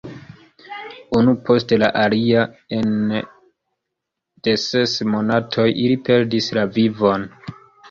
Unu post la alia, ene de ses monatoj, ili perdis la vivon.